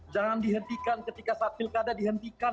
jangan dihentikan ketika saat pilkada dihentikan